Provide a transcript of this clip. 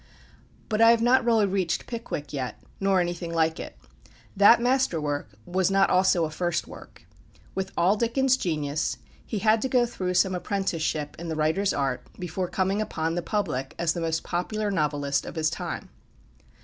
But I have not really reached "Pickwick" yet, nor anything like it. That master work was not also a first work. With all Dickens' genius, he had to go through some apprenticeship in the writer's art before coming upon the public as the most popular novelist of his time.